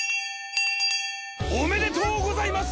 おめでとうございます！